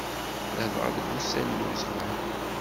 Ladɣa deg wussan n uzɣal.